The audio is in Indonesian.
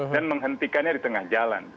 dan menghentikannya di tengah jalan